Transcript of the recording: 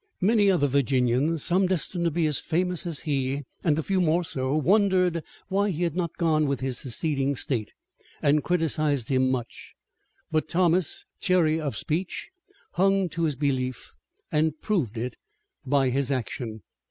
Many other Virginians, some destined to be as famous as he, and a few more so, wondered why he had not gone with his seceding state, and criticised him much, but Thomas, chary of speech, hung to his belief, and proved it by action.